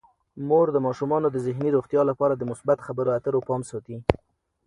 مور د ماشومانو د ذهني روغتیا لپاره د مثبت خبرو اترو پام ساتي.